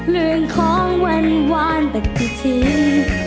เรื่องของวันวานแต่จริง